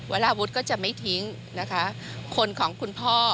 ลาวุฒิก็จะไม่ทิ้งนะคะคนของคุณพ่อ